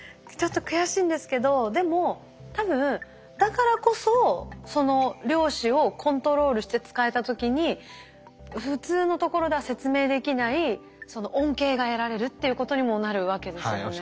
ちょっと悔しいんですけどでも多分だからこそその量子をコントロールして使えた時に普通のところでは説明できない恩恵が得られるっていうことにもなるわけですよね。